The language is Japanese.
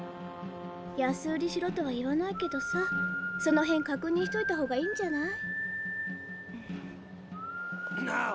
安売りしろとは言わないけどさそのへん確認しておいたほうがいいんじゃない？